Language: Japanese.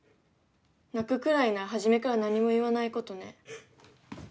泣くくらいなら初めから何も言わないことね。